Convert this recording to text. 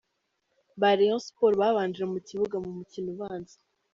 ba Rayon Sports babanje mu kibuga mu mukino ubanza.